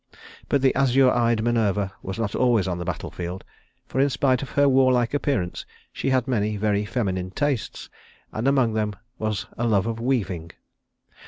But the azure eyed Minerva was not always on the battle field, for in spite of her warlike appearance she had many very feminine tastes, and among them was a love of weaving.